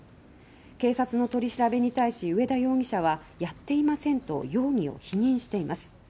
警察の取り調べに対し上田容疑者は「やっていません」と容疑を否認しています。